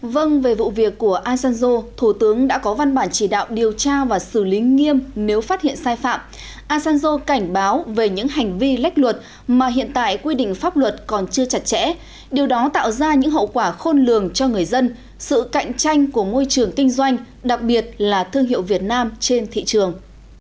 vâng về vụ việc của asanzo thủ tướng đã có văn bản chỉ đạo điều tra và xử lý nghiêm nếu phát hiện sai phạm asanzo cảnh báo về những hành vi lách luật mà hiện tại quy định pháp luật còn chưa chặt chẽ điều đó tạo ra những hậu quả khôn lường cho người dân sự cạnh tranh của môi trường kinh doanh đặc biệt là thương hiệu việt nam trên thị trường